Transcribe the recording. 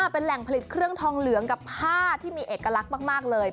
เป็นแหล่งผลิตเครื่องทองเหลืองกับผ้าที่มีเอกลักษณ์มากเลย